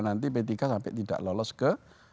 nanti p tiga sampai tidak lolos ke